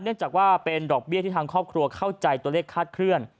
จากว่าเป็นดอกเบี้ยที่ทางครอบครัวเข้าใจตัวเลขคาดเคลื่อน